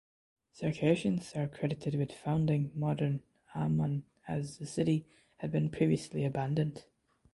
Circassians are credited with founding modern Amman as the city had been previously abandoned.